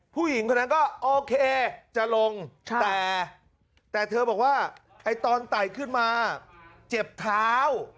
ผู้หญิงคนนั้นก็โอเคจะลงแต่เธอบอกว่าตอนไต่ขึ้นมาเจ็บเท้า